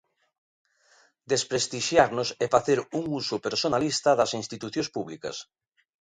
Desprestixiarnos e facer un uso personalista das institucións públicas.